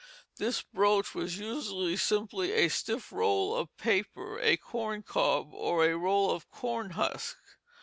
This broach was usually simply a stiff roll of paper, a corn cob, or a roll of corn husk.